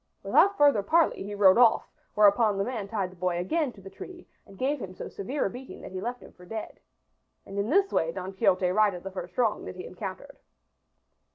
Without further parley he rode off, whereupon the man tied the boy again to the tree and gave him so severe a beating that he left him for dead. And in this way Don Quixote righted the first wrong that he encountered.